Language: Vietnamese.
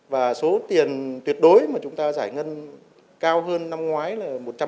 và số tiền tuyệt đối mà chúng ta giải ngân cao hơn năm ngoái là một trăm một mươi tỷ